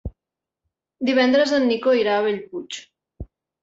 Divendres en Nico irà a Bellpuig.